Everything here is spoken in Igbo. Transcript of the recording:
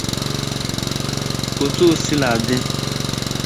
Otu o sila dị